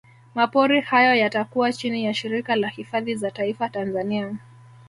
Mapori hayo yatakuwa chini ya Shirika la Hifadhi za Taifa Tanzania